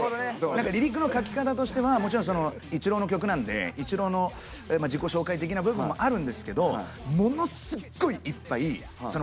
何かリリックの書き方としてはもちろんその一郎の曲なんで一郎の自己紹介的な部分もあるんですけどものすごいいっぱいうわ